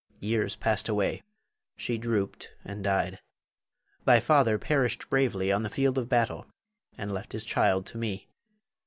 Years passed away; she drooped and died. Thy father perished bravely on the field of battle, and left his child to me.